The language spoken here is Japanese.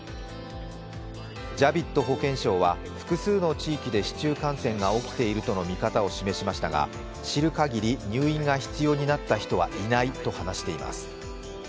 ジャヴィッド保健相は複数の地域で市中感染が起きているとの見方を示しましたが知る限り入院が必要になった人はいないと話しています。